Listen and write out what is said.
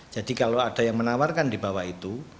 jadi kalau ada yang menawarkan di bawah itu